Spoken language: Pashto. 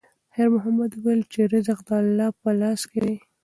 خیر محمد وویل چې رزق د الله په لاس کې دی.